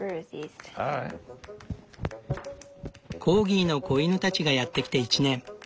コーギーの子犬たちがやって来て１年。